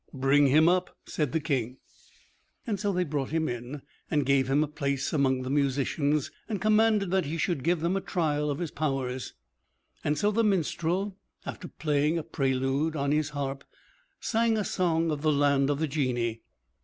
"Bring him up," said the King. So they brought him in, and gave him a place among the musicians, and commanded that he should give them a trial of his powers. So the minstrel, after playing a prelude on his harp, sang a song of the land of the Genii.